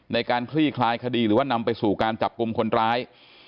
คลี่คลายคดีหรือว่านำไปสู่การจับกลุ่มคนร้าย